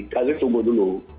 kalian tunggu dulu